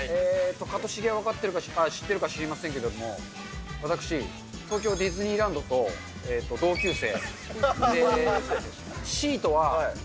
かとしげ分かってるか、知ってるか知りませんけれども、私、東京ディズニーランドと同級生。